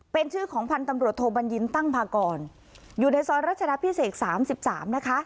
เป็นชื่อของพันธุ์ตำรวจโทบันยินตั้งพากรอยู่ในซ้อนราชนาพิเศษสามสิบสามนะคะ